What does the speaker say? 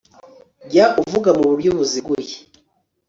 jya uvuga mu buryo buziguye